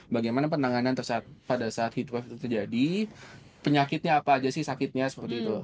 bagaimana penanganan pada saat heat wave itu terjadi penyakitnya apa aja sih sakitnya seperti itu